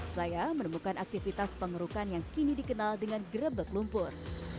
saya menemukan aktivitas pengerukan yang kini dikenal dengan gerebek lumpur